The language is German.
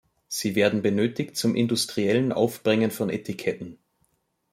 Sie werden benötigt zum industriellen Aufbringen von Etiketten.